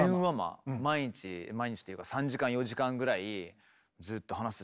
毎日毎日というか３時間４時間ぐらいずっと話すって。